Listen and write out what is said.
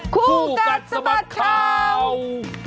คู่กันสมัครข่าว